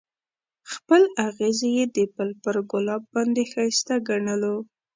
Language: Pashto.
خپل اغزی یې د بل پر ګلاب باندې ښایسته ګڼلو.